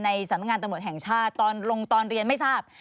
สำนักงานตำรวจแห่งชาติตอนลงตอนเรียนไม่ทราบ